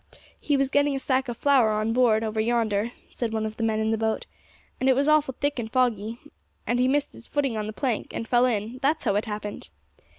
'He was getting a sack of flour on board, over yonder' said one of the men in the boat, 'and it was awful thick and foggy, and he missed his footing on the plank, and fell in; that's how it happened!'